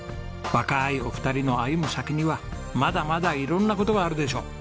若いお二人の歩む先にはまだまだ色んな事があるでしょう。